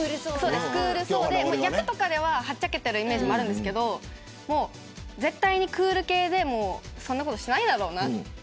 役とかでははっちゃけているイメージもあるんですけど絶対にクール系でそんなことしないだろうなと。